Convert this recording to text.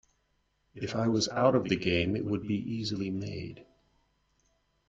If I was out of the game it would be easily made.